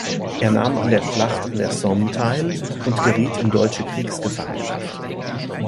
Er nahm an der Schlacht an der Somme teil und geriet in deutsche Kriegsgefangenschaft.